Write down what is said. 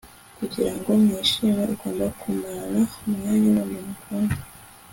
Kugira ngo wishime ugomba kumarana umwanya numuntu ukunda